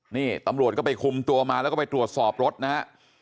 นี่ตำรวจก็ไปคุมตัวมาแล้วก็ไปตรวจสอบรถนะฮะ